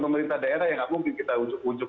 pemerintah daerah yang gak mungkin kita unjuk